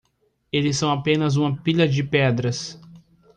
Eles são apenas uma pilha de pedras.